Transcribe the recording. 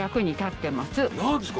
何ですか？